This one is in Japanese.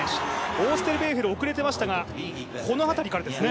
オーステルベーヘル遅れていましたが、この辺りからですね。